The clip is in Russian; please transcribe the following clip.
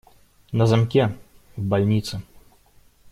На замке, в больнице.